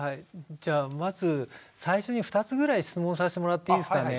じゃあまず最初に２つぐらい質問させてもらっていいですかね。